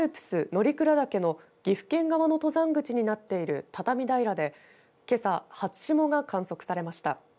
乗鞍岳の岐阜県側の登山口になっている畳平でけさ初霜が観測されました。